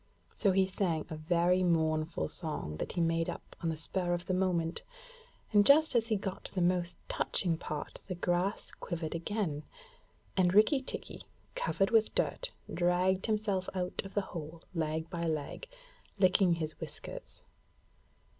So he sang a very mournful song that he made up on the spur of the minute, and just as he got to the most touching part the grass quivered again, and Rikki tikki, covered with dirt, dragged himself out of the hole leg by leg, licking his whiskers.